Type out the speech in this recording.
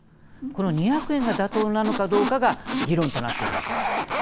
この２００円が妥当なのかどうかが議論となっているわけです。